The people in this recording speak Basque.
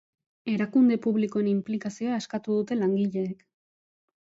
Erakunde publikoen inplikazioa eskatu dute langileek.